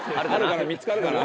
見つかるかな？